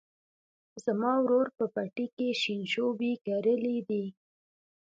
زما ورور په پټي کې شینشوبي کرلي دي.